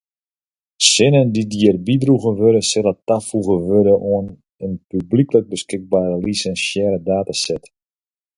Sinnen dy’t hjir bydroegen wurde sille tafoege wurde oan in publyklik beskikbere lisinsearre dataset.